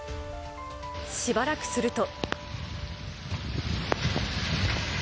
しばらくすると。